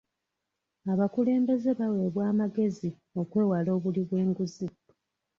Abakulembeze baweebwa amagezi okwewala obuli bw'enguzi.